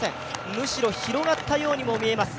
むしろ広がったようにも見えます。